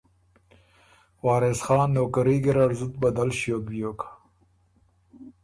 وارث خان نوکري ګیرډ زُت بدل ݭیوک بیوک۔